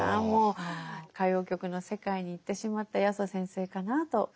もう歌謡曲の世界に行ってしまった八十先生かなと。